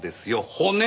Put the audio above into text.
骨！